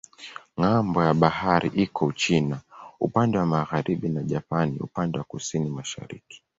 Ng'ambo ya bahari iko Uchina upande wa magharibi na Japani upande wa kusini-mashariki.